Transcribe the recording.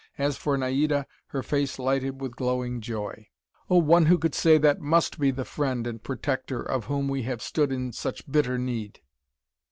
As for Naida, her face lighted with glowing joy. "Oh, one who could say that, must be the friend and protector of whom we have stood in such bitter need!"